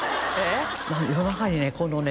夜中にねこのね